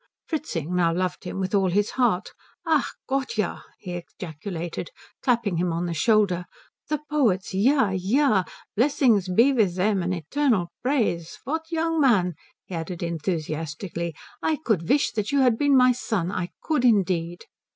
Fritzing now loved him with all his heart. "Ach Gott, ja," he ejaculated, clapping him on the shoulder, "the poets ja, ja 'Blessings be with them and eternal praise,' what? Young man," he added enthusiastically, "I could wish that you had been my son. I could indeed."